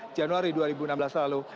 januari dua ribu enam belas lalu